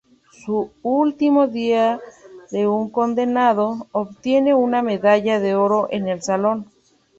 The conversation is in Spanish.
Su "Último día de un condenado" obtiene una medalla de oro en el Salón.